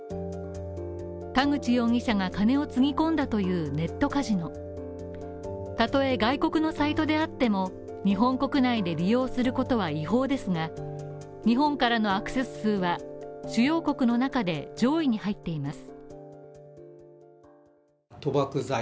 田口容疑者が金をつぎ込んだというネットカジノたとえ外国のサイトであっても、日本国内で利用することは違法ですが日本からのアクセス数は、主要国の中で上位に入っています。